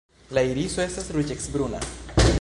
La iriso estas ruĝecbruna.